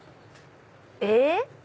えっ？